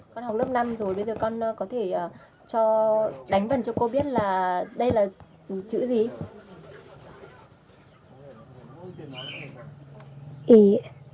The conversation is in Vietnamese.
các bạn có thể đánh vần cho cô biết đây là chữ gì